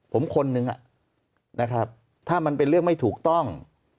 ผมคนนึงนะครับถ้ามันเป็นเรื่องไม่ถูกต้อง